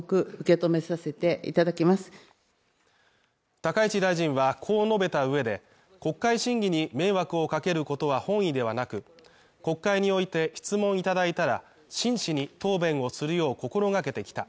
高市大臣はこう述べた上で、国会審議に迷惑をかけることは本意ではなく国会において質問いただいたら、真摯に答弁をするよう心がけてきた。